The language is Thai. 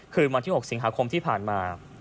คืนวันที่๖สิงหาคมที่ผ่านมา